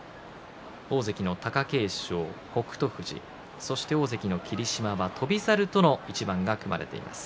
大関の貴景勝、北勝富士そして大関の霧島は翔猿との一番が組まれています。